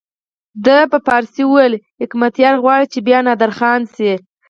ده په فارسي وویل حکمتیار غواړي چې بیا نادرخان شي.